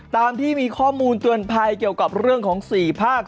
ตามที่มีข้อมูลเตือนภัยเกี่ยวกับเรื่องของ๔ภาค